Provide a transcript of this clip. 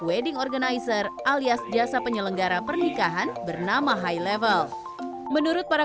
wedding organizer alias jasa penyelenggara pernikahan bernama high level menurut para